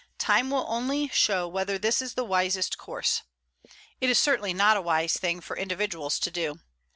Time only will show whether this is the wisest course. It is certainly not a wise thing for individuals to do.